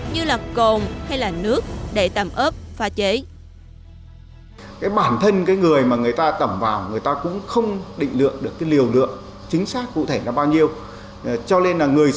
như là cồn hay là nước để tắm ướp pha chế